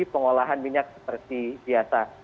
pengolahan minyak seperti biasa